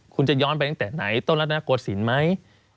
คุณจะย้อนไปตั้งแต่ไหนต้นรัฐนาโกศิลป์ไหม